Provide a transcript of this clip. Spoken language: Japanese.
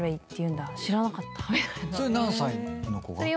それ何歳の子が？